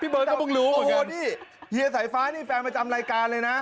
เบิร์ตก็เพิ่งรู้โอ้โหนี่เฮียสายฟ้านี่แฟนประจำรายการเลยนะ